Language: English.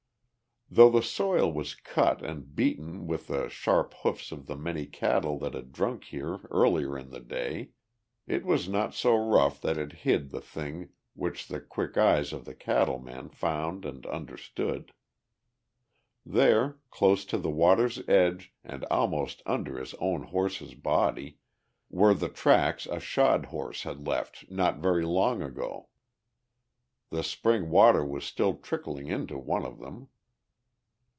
Though the soil was cut and beaten with the sharp hoofs of the many cattle that had drunk here earlier in the day, it was not so rough that it hid the thing which the quick eyes of the cattle man found and understood. There, close to the water's edge and almost under his own horse's body, were the tracks a shod horse had left not very long ago. The spring water was still trickling into one of them.